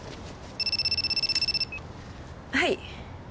はい。